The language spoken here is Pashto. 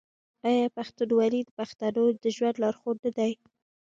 آیا پښتونولي د پښتنو د ژوند لارښود نه دی؟